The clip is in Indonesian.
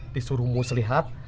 disuruh mus lihat